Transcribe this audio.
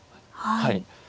はい。